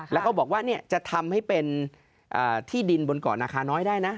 แล้วก็บอกว่าจะทำให้เป็นที่ดินบนเกาะนาคาน้อยได้นะ